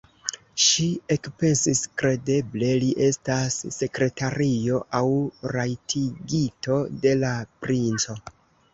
Ŝi ekpensis: kredeble li estas sekretario aŭ rajtigito de la princo!